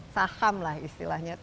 saham lah istilahnya